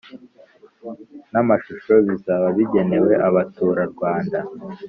N amashusho bizaba bigenewe abaturarwanda